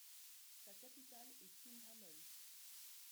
Sa capitale est Quinhámel.